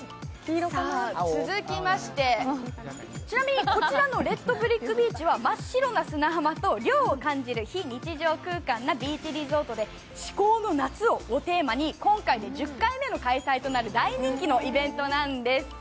続きまして、ちなみにこちらのＲＥＤＢＲＩＣＫＢＥＡＣＨは真っ白な砂浜と涼を感じる砂浜の非日常空間なビーチリゾートで至高の夏をテーマに今回で１０回目の開催となる大人気のイベントなんです。